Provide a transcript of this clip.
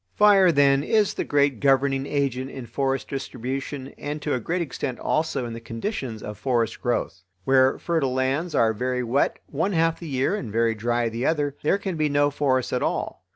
Fire, then, is the great governing agent in forest distribution and to a great extent also in the conditions of forest growth. Where fertile lands are very wet one half the year and very dry the other, there can be no forests at all.